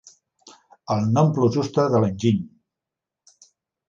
El 'non plus ultra' de l'enginy.